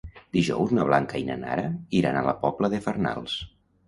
Dijous na Blanca i na Nara iran a la Pobla de Farnals.